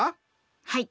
はい。